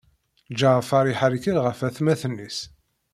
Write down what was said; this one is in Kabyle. Ǧaɛfeṛ iḥerkel ɣef atmaten-is.